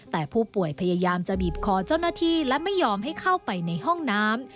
แต่ผู้ป่วยพยายามจะบีบคอเจ้าหน้าที่และไม่ยอมให้เข้าไปในห้องน้ำ